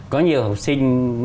có nhiều học sinh